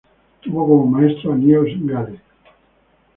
Tuvo como maestro a Niels Gade.